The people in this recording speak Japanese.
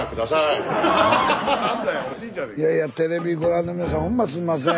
いやいやテレビご覧の皆さんほんますんません。